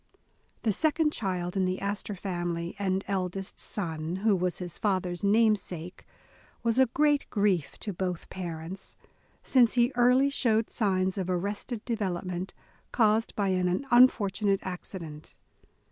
The second child in the Astor family, and eldest son, who was his father's namesake, was a great grief to both parents, since he early showed signs of arrested development, caused by an unfortunate accident.